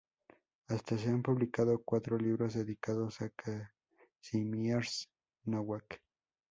Hasta se han publicado cuatro libros dedicados a Kazimierz Nowak.